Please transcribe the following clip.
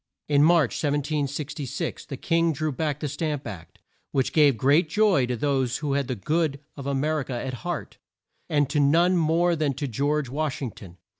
In March 1766, the king drew back the Stamp Act, which gave great joy to those who had the good of A mer i ca at heart, and to none more than to George Wash ing ton.